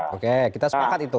oke kita sepakat itu